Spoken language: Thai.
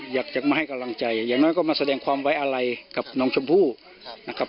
อยากจะมาให้กำลังใจอย่างน้อยก็มาแสดงความไว้อะไรกับน้องชมพู่นะครับ